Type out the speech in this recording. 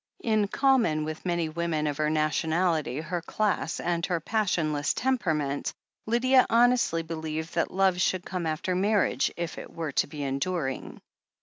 In common with many women of her nationality, her class, and her passionless temperament, Lydia honestly believed that love should come after marriage if it were to be enduring.